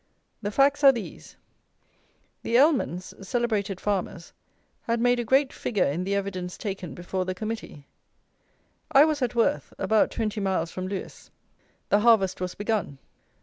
The facts are these: the Ellmans, celebrated farmers, had made a great figure in the evidence taken before the Committee. I was at WORTH, about twenty miles from Lewes. The harvest was begun.